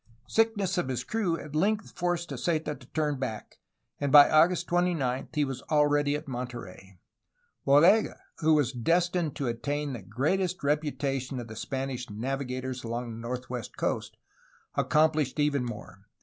Sickness of his crew at length forced Heceta to turn back, and by August 29 he was already at Monterey. Bodega, w^ho was destined to attain to the greatest reputation of the Spanish navigators along the northwest coast, accomplished even more.